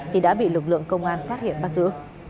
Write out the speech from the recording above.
thì đã bị lực lượng công an phát hiện bắt giữ